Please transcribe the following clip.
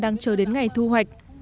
đang chờ đến ngày thu hoạch